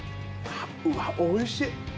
うわっおいしい！